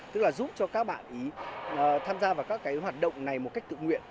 tức là giúp cho các bạn ý tham gia vào các cái hoạt động này một cách tự nguyện